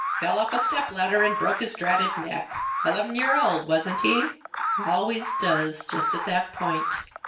"Fell off a step ladder and broke his dratted neck. Eleven year old, wasn't he? Always does, jest at that point.